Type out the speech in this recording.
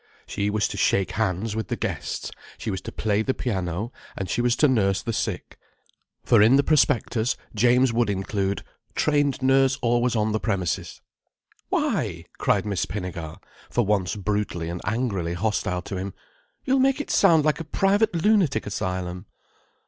She was to shake hands with the guests: she was to play the piano, and she was to nurse the sick. For in the prospectus James would include: "Trained nurse always on the premises." "Why!" cried Miss Pinnegar, for once brutally and angrily hostile to him: "You'll make it sound like a private lunatic asylum."